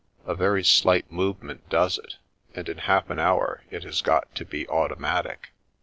A very slight movement does it, and in half an hour it has got to be automatic.